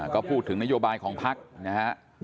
ก็พูดถึงนโยบายของพักนะฮะ